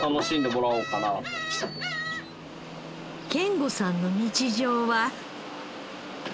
賢吾さんの日常は